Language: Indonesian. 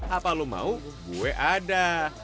apa lu mau gue ada